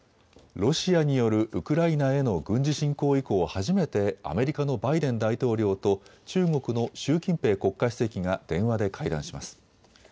ロシアによるウクライナへの軍事侵攻以降、初めてアメリカのバイデン大統領と中国の習近平国家主席が電話で会談します。